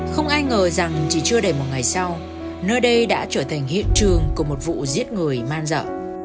không ai ngờ rằng chỉ chưa để một ngày sau nơi đây đã trở thành hiện trường của một vụ giết người man dợ